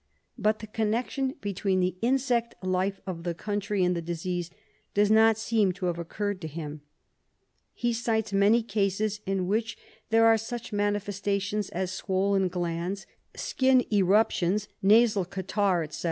But the connection between the insect life of the country and the disease does not seem to have occurred to him. He cites many cases in which there are such manifestations as swollen glands, skin eruptions, nasal catarrh, etc.